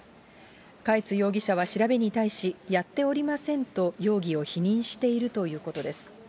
嘉悦容疑者は調べに対し、やっておりませんと容疑を否認しているということです。